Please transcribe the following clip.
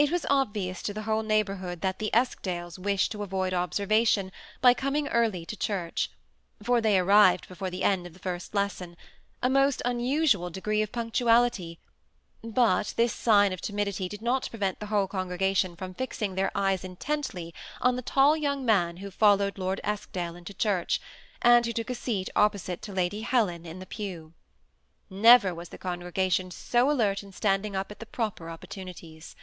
It was obvious to the whole neighborhood that 18 THE SEMI ATTACHED COUPLE. the Eskdales wished to avoid observation by coming early to church, for they arrived before the end of the first lesson, — a most unusual degree of punctuality ; but this sign of timidity did not prevent the whole congre gation from fixing their eyes intently on the tall young man who followed Lord Eskdale into church, and who took a seat opposite to Lady Helen in the pew. Never was the congregation so alert in standing up at the proper opportunities.